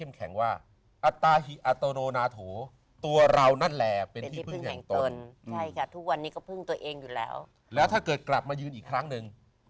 แล้วถ้าเกิดกลับมายืนอีกครั้งหนึ่ง